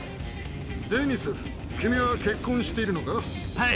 デニス、君は結婚しているのはい。